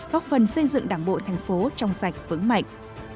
góp phần xây dựng đảng bộ thành phố trong sạch vững mạnh